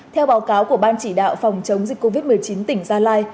theo báo cáo của ban chỉ đạo phòng chống dịch covid một mươi chín tỉnh gia lai